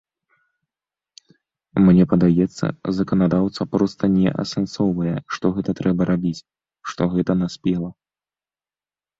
Мне падаецца, заканадаўца проста не асэнсоўвае, што гэта трэба рабіць, што гэта наспела.